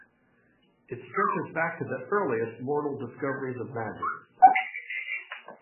It stretches back to the earliest mortal discoveries of magic.